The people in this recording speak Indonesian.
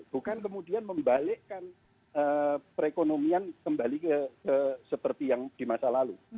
bukan kemudian membalikkan perekonomian kembali seperti yang di masa lalu